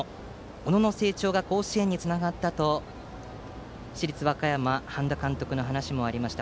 小野の成長が甲子園につながったと市立和歌山、半田監督の話もありました。